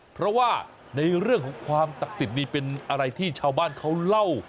เพราะว่าในเรื่องของความศักดิ์สิทธิ์นี่เป็นอะไรที่ชาวบ้านเขาเล่า